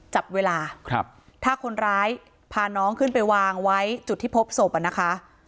จับเวลาถ้าคนร้ายพาน้องขึ้นไปวางไว้จุดที่พบศพอ่ะนะคะ